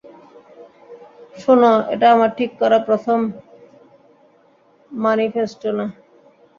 শোনো, এটা আমার ঠিক করা প্রথম ম্যানিফেস্টো না।